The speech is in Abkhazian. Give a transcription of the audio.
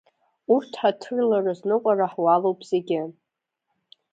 Урҭ ҳаҭырла рызныҟәара ҳуалуп зегьы.